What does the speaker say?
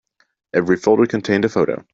Every folder contained a photo.